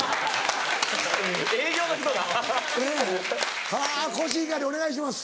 ・営業の人だ・はぁコシヒカリお願いします。